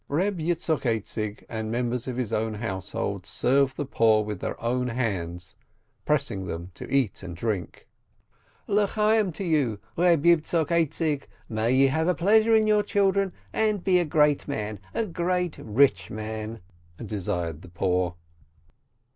Reb Yitzchok Aizik and the members of his own household served the poor with their own hands, pressing them to eat and drink. "Le Chayyim to you, Reb Yitzchok Aizik! May you have pleasure in your children, and be a great man, a great rich man !" desired the poor.